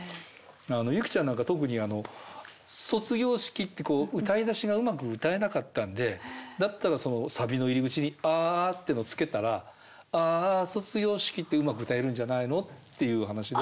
由貴ちゃんなんか特に「卒業式」って歌いだしがうまく歌えなかったんでだったらそのサビの入り口に「ああ」ってのをつけたら「ああ卒業式」ってうまく歌えるんじゃないのっていう話で。